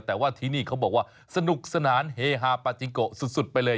แต่ว่าที่นี่เขาบอกว่าสนุกสนานเฮฮาปาจิงโกสุดไปเลย